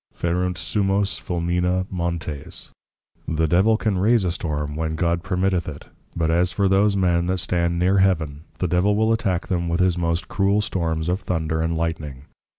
Ferunt Summos Fulmina Montes. The Devil can raise a Storm, when God permitteth it, but as for those Men that stand near Heaven, the Devil will attack them with his most cruel storms of Thunder and Lightening.